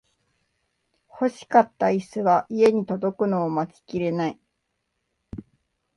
欲しかったイスが家に届くのを待ちきれない